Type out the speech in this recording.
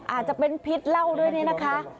อาจจะเป็นพิษเหล้าด้วยเนี่ยนะคะ